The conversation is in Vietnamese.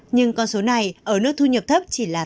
nhưng con số này ở nước thu nhập thấp chỉ là tám sáu